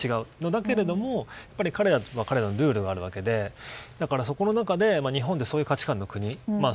だけれども彼には彼のルールがあるわけでそこの中で日本でそういう価値観の国